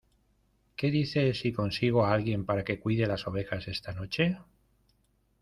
¿ Qué dices si consigo a alguien para que cuide las ovejas esta noche?